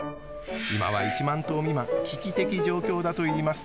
今は１万頭未満危機的状況だといいます。